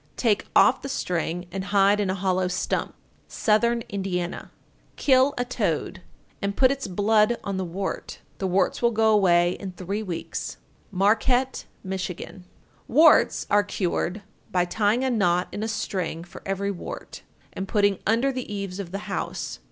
Take off the string and hide in a hollow stump. Southern Indiana. 927. Kill a toad, and put its blood on the wart. The warts will go away in three weeks. Marquette, Mich. 928. Warts are cured by tying a knot in a string for every wart, and putting under the eaves of the house.